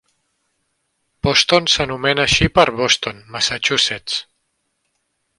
Boston s'anomena així per Boston, Massachusetts.